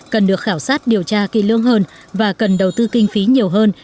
cần được khảo sát điều tra kỳ lương hơn và cần đầu tư kinh phí nhiều hơn